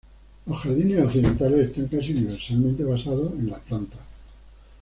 Los jardines occidentales están casi universalmente basados en las plantas.